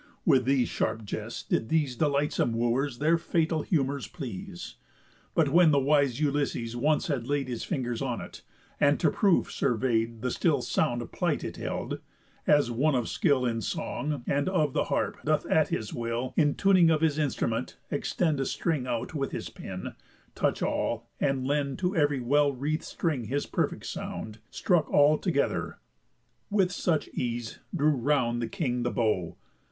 With these sharp jests did these Delightsome Woo'rs their fatal humours please. But when the wise Ulysses once had laid His fingers on it, and to proof survey'd The still sound plight it held, as one of skill In song, and of the harp, doth at his will, In tuning of his instrument, extend A string out with his pin, touch all, and lend To ev'ry well wreath'd string his perfect sound, Struck all together; with such ease drew round The King the bow.